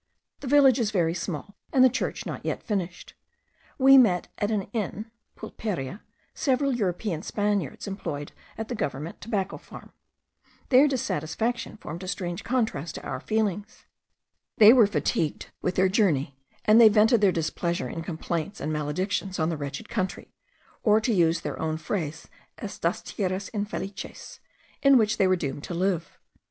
The village is very small, and the church not yet finished. We met at an inn (pulperia) several European Spaniards employed at the government tobacco farm. Their dissatisfaction formed a strange contrast to our feelings. They were fatigued with their journey, and they vented their displeasure in complaints and maledictions on the wretched country, or to use their own phrase, estas tierras infelices, in which they were doomed to live.